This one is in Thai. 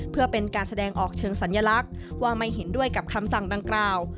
เพื่อเป็นการแสดงออกเชิงสัญลักษณ์ว่าไม่เห็นด้วยกับคำสั่งดังกล่าว